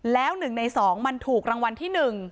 แล้ว๑ใน๒มันถูกรางวัลที่๑